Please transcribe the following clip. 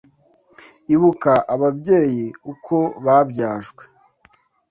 Ibuka ababyeyi uko babyajwe